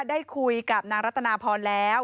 ได้คุยกับนางรัตนาพรแล้ว